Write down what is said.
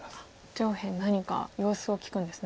上辺何か様子を聞くんですね。